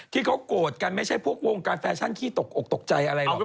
ที่เขาโกรธกันไม่ใช่พวกวงการแฟชั่นขี้ตกอกตกใจอะไรหรอก